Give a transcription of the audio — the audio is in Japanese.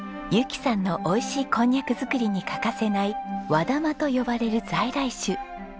由紀さんの美味しいこんにゃく作りに欠かせない「和玉」と呼ばれる在来種。